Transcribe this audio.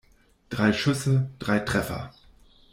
Drei Schüsse, drei Treffer.